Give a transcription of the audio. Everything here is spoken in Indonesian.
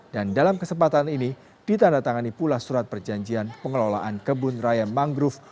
dan dalam kesempatan ini ditandatangani pula surat perjanjian pengelolaan kebun raya mangrove